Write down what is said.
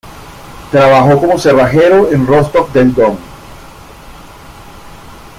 Trabajó como cerrajero en Rostov del Don.